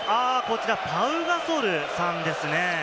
こちら、パウ・ガソルさんですね。